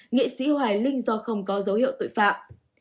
nghị sĩ hòa linh do không có dấu hiệu tội phạm